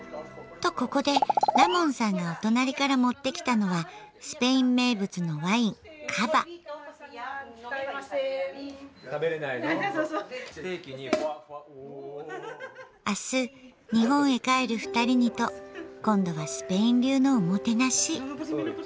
とここでラモンさんがお隣から持ってきたのは明日日本へ帰る二人にと今度はスペイン流のおもてなし。